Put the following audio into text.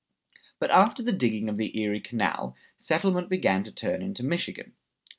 But after the digging of the Erie Canal, settlement began to turn into Michigan.